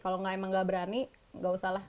kalau nggak emang nggak berani nggak usahlah